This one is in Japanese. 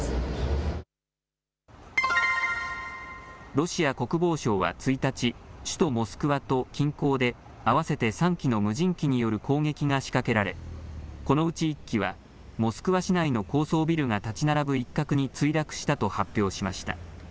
ロシア国防省は１日、首都モスクワと近郊で、合わせて３機の無人機による攻撃が仕掛けられ、このうち１機は、モスクワ市内の高層ビルが建ち並ぶ一角に墜落したと発表しました。